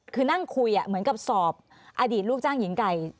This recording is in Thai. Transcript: คือนั่งคุยเหมือนกับสอบอดีตลูกจ้างหญิงไก่